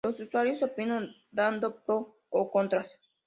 Los usuarios opinan dando pro o contras.